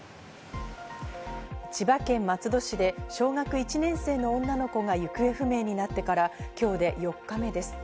千葉県松戸市で小学１年生の女の子が行方不明になってから今日で４日目です。